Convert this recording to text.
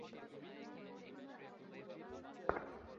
ওই হারামজাদাদের মারার কথা ভাবলে, ভুলে যান।